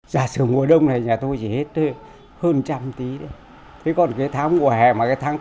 giả sử mùa đông này nhà tôi chỉ hết hơn trăm tí thôi thế còn cái tháng mùa hè mà cái tháng tám